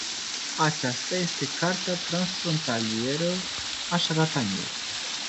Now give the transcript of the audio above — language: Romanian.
Aceasta este carta transfrontalieră a șarlatanilor.